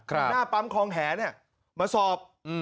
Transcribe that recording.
คร่ะหน้าปั้มคลองแหนางมาสอบ